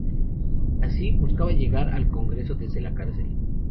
Así, buscaba llegar al Congreso desde la cárcel.